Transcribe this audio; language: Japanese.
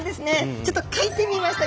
ちょっと描いてみました。